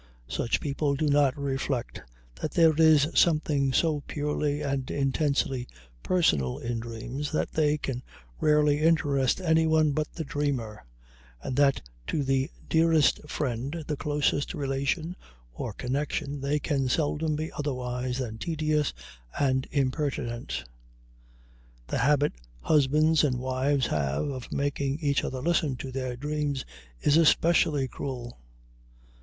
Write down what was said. Such people do not reflect that there is something so purely and intensely personal in dreams that they can rarely interest anyone but the dreamer, and that to the dearest friend, the closest relation or connection, they can seldom be otherwise than tedious and impertinent. The habit husbands and wives have of making each other listen to their dreams is especially cruel.